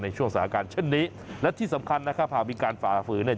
ในช่วงสถานการณ์เช่นนี้และที่สำคัญนะครับหากมีการฝ่าฝืนเนี่ย